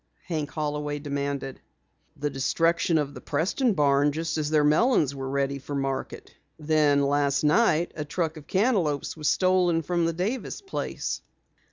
Hank Holloway demanded. "The destruction of the Preston barn just as their melons were ready for market. Then last night a truck of cantaloupes was stolen from the Davis place."